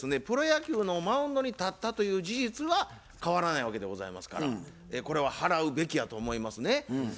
プロ野球のマウンドに立ったという事実は変わらないわけでございますからこれは払うべきやと思いますね。